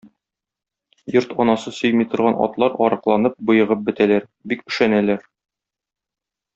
Йорт анасы сөйми торган атлар арыкланып, боегып бетәләр, бик өшәнәләр.